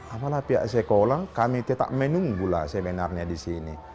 apalah pihak sekolah kami tetap menunggulah sebenarnya di sini